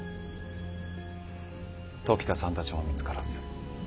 時田さんたちも見つからず。